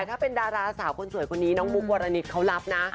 ถ้าเป็นดาราสาวคนสวยคนนี้น้องมุกวรณิตเขารับนะ